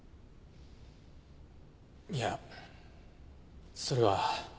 いやそれは。